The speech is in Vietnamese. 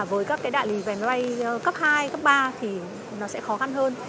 và với các cái đại lý bay bay cấp hai cấp ba thì nó sẽ khó khăn hơn